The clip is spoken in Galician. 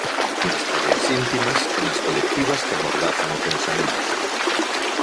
Nas cadeas íntimas, e nas colectivas que amordazan o pensamento.